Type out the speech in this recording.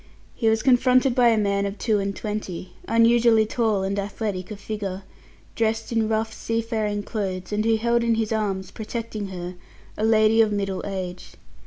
He was confronted by a man of two and twenty, unusually tall and athletic of figure, dresses in rough seafaring clothes, and who held in his arms, protecting her, a lady of middle age.